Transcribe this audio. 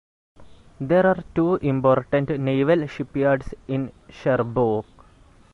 There are two important naval shipyards in Cherbourg.